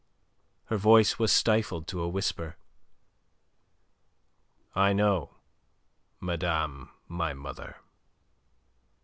Her voice was stifled to a whisper. "I know, madame my mother."